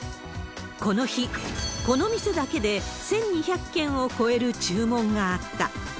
この日、この店だけで１２００件を超える注文があった。